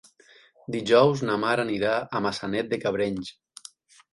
Dijous na Mar anirà a Maçanet de Cabrenys.